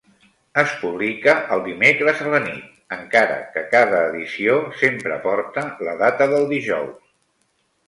Es publica el dimecres a la nit, encara que cada edició sempre porta la data del dijous.